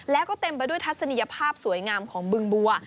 แล้วก็เต็มไปด้วยทัศนียภาพสวยงามของบึงบัว